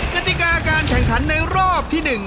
กติกาการแข่งขันในรอบที่๑